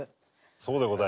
そうでございます。